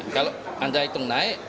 kalau anda hitung naik